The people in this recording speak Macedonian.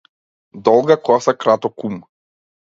Долга коса краток ум.